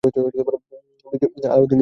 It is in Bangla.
আলাউদ্দিন যুদ্ধে বিজয়ী হয়েছিলেন।